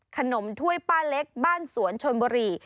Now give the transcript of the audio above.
ถ้วยป้าเล็กบ้านสวนชนบุรี